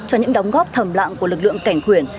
cho những đóng góp thầm lạng của lực lượng cảnh khuyển